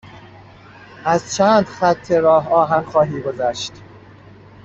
از چند خط راه آهن خواهی گذشت.